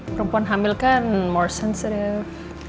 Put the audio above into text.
perempuan hamil kan lebih sensitif